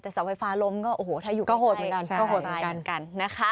แต่เสาไฟฟ้าล้มก็โอ้โฮถ้าอยู่ใกล้ก็โหดตายเหมือนกัน